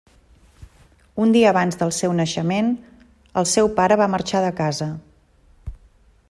Un dia abans del seu naixement, el seu pare va marxar de casa.